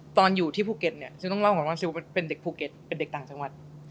ตอนที่ภูเก็ตเนี่ยซิลต้องเล่าก่อนว่าซิลเป็นเด็กภูเก็ตเป็นเด็กต่างจังหวัด